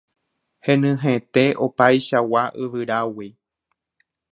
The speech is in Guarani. Henyhẽte opaichagua yvyrágui.